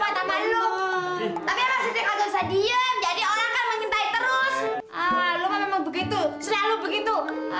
terus begitu begitu